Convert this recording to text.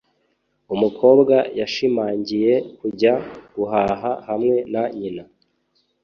umukobwa yashimangiye kujya guhaha hamwe na nyina